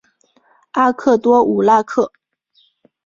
阿克多武拉克。